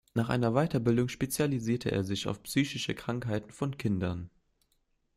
Nach einer Weiterbildung spezialisierte er sich auf psychische Krankheiten von Kindern.